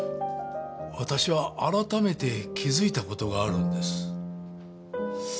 私は改めて気づいた事があるんです。